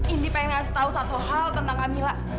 indi pengen ngasih tau satu hal tentang kak mila